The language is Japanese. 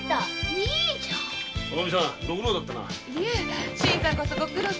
新さんこそご苦労様。